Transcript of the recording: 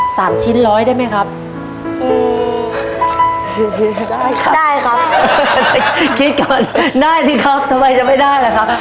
สามชิ้นร้อยได้ไหมครับอืมได้ค่ะได้ครับคิดก่อนได้สิครับทำไมจะไม่ได้ล่ะครับ